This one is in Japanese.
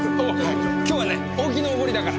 今日はね大木のおごりだから。